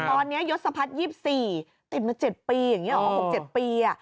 ตอนนี้ยศพัฒน์๒๔ติดมา๗ปีอย่างนี้หรอ๖๗ปี